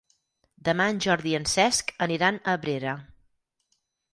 Demà en Jordi i en Cesc aniran a Abrera.